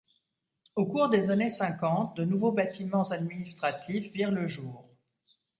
Au cours des années cinquante, de nouveau bâtiments administratifs virent le jour.